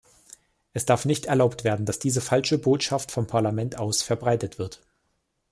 Es darf nicht erlaubt werden, dass diese falsche Botschaft vom Parlament aus verbreitet wird.